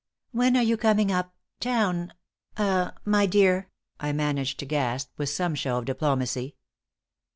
"When are you coming up town ah my dear?" I managed to gasp, with some show of diplomacy.